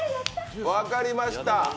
分かりました。